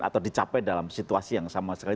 atau dicapai dalam situasi yang sama sekali